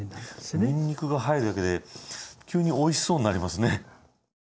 にんにくが入るだけで急においしそうになりますね。